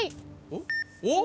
おっ？